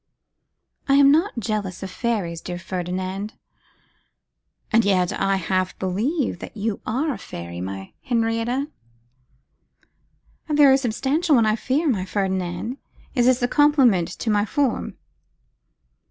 'I am not jealous of fairies, dear Ferdinand.' 'And yet I half believe that you are a fairy, my Henrietta.' 'A very substantial one, I fear, my Ferdinand. Is this a compliment to my form?